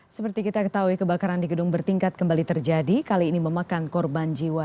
seperti kita ketahui kebakaran di gedung bertingkat kembali terjadi kali ini memakan korban jiwa